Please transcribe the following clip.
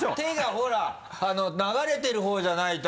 ほら流れてる方じゃないと。